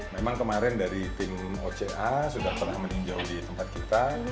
memang kemarin dari tim oca sudah pernah meninjau di tempat kita